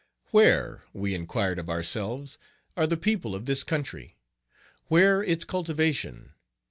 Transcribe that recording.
Where, we inquired of ourselves, are the people of this country? Where its cultivation?